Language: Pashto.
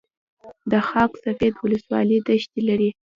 د خاک سفید ولسوالۍ دښتې لري